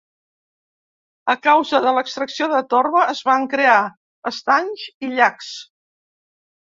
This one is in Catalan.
A causa de l'extracció de torba, es van crear estanys i llacs.